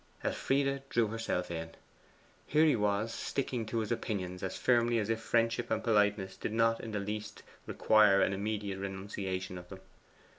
Elfride drew herself in. Here he was, sticking to his opinions as firmly as if friendship and politeness did not in the least require an immediate renunciation of them.